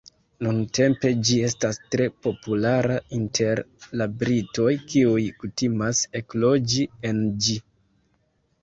Nuntempe ĝi estas tre populara inter la britoj kiuj kutimas ekloĝi en ĝi.